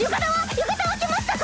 浴衣は着ましたか？